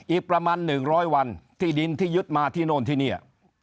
อีกประมาณ๑๐๐วันที่ดินที่ยึดมาที่โน่นที่นี่